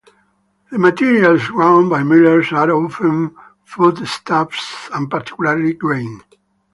The materials ground by millers are often foodstuffs and particularly grain.